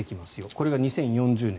これが２０４０年。